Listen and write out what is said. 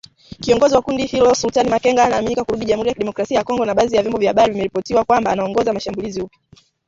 Kiongozi wa kundi hilo ,Sultani Makenga, anaaminika kurudi Jamhuri ya Kidemokrasia ya Kongo na badhi ya vyombo vya habari vimeripoti kwamba anaongoza mashambulizi mapya